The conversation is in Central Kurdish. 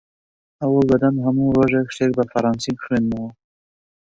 هەوڵ دەدەم هەموو ڕۆژێک شتێک بە فەڕەنسی بخوێنمەوە.